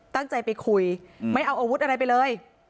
ตั้งใจไปคุยไม่เอาอาวุธอะไรไปเลย